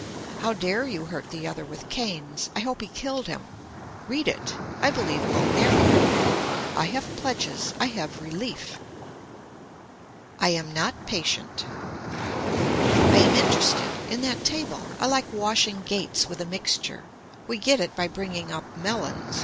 How dare you hurt the other with canes. I hope he killed him. Read it. I believe Bulgaria. I have pledges. I have relief. I AM NOT PATIENT I am interested. In that table. I like washing gates with a mixture. We get it by bringing up melons.